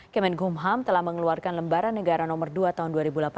kemenkumham telah mengeluarkan lembaran negara nomor dua tahun dua ribu delapan belas